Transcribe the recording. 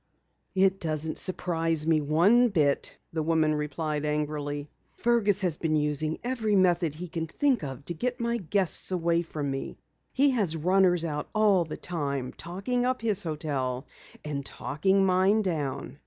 "It doesn't surprise me one bit," the woman replied angrily. "Fergus has been using every method he can think of to get my guests away from me. He has runners out all the time, talking up his hotel and talking mine down."